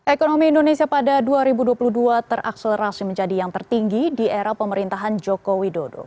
ekonomi indonesia pada dua ribu dua puluh dua terakselerasi menjadi yang tertinggi di era pemerintahan joko widodo